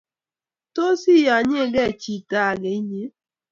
Tos iyanyekei chito ake inye?